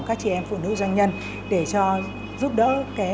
các chị em phụ nữ doanh nhân để cho giúp đỡ